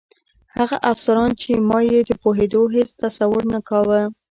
هغه افسران چې ما یې د پوهېدو هېڅ تصور نه کاوه.